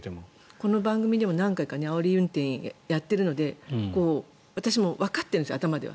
この番組でも何回かあおり運転をやっているので私もわかってるんです頭では。